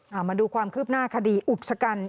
เอามาดูความคืบหน้าคดีอุกชะกัน